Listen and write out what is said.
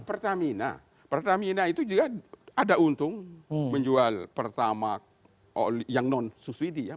pertamina pertamina itu juga ada untung menjual pertama yang non subsidi ya